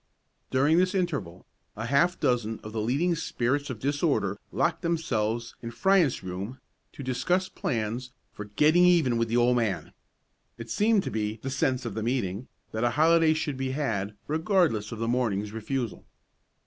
During this interval, a half dozen of the leading spirits of disorder locked themselves in Fryant's room to discuss plans for "getting even with the old man." It seemed to be "the sense of the meeting" that a holiday should be had, regardless of the morning's refusal.